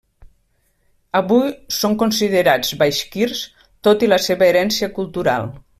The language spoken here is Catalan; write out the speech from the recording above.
Avui són considerats baixkirs tot i la seva herència cultural.